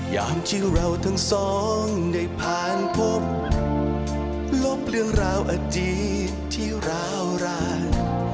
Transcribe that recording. อย่างที่เราทั้งสองได้ผ่านพบลบเรื่องราวอาจีที่ราวร้าย